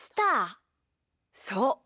そう。